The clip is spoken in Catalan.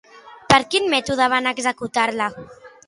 Per quin mètode van executar-la?